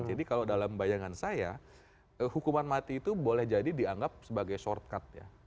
jadi kalau dalam bayangan saya hukuman mati itu boleh jadi dianggap sebagai shortcut ya